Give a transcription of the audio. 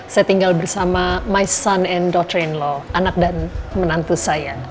saya tinggal bersama anak dan menantu saya